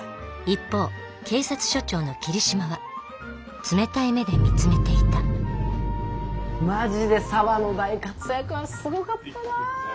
一方警察署長の桐島は冷たい目で見つめていたマジで沙和の大活躍はすごかったな。